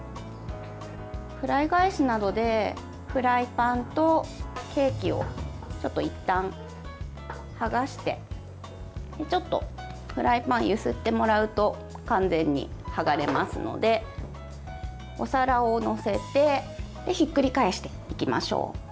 フライ返しなどでフライパンとケーキをいったん剥がしてフライパンを揺すってもらうと完全に剥がれますのでお皿を載せてひっくり返していきましょう。